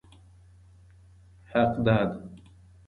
حقداد